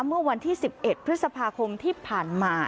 เมื่อวันที่สิบเอ็ดพฤษภาคมที่ผ่านมา